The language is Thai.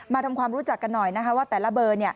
ทำความรู้จักกันหน่อยนะคะว่าแต่ละเบอร์